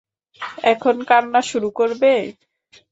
এখন কান্না শুরু করবে।